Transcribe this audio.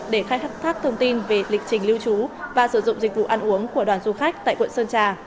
để khai thác thông tin về lịch trình lưu trú và sử dụng dịch vụ ăn uống của đoàn du khách tại quận sơn trà